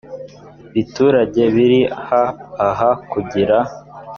biturage biri ha aha kugira